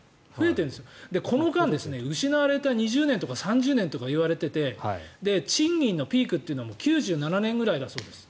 この間、失われた２０年とか３０年とかって言われていて賃金のピークというのは９７年くらいだそうです。